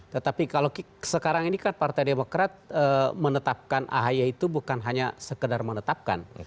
tetapi kalau sekarang ini kan partai demokrat menetapkan ahy itu bukan hanya sekedar menetapkan